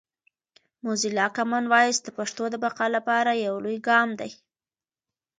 موزیلا کامن وایس د پښتو د بقا لپاره یو لوی ګام دی.